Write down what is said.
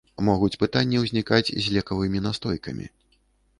Могуць пытанні ўзнікаць з лекавымі настойкамі.